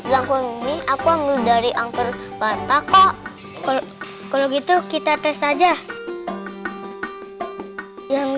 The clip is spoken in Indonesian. tapi langsung nih aku ambil dari angker batak kok kalau gitu kita tes aja yang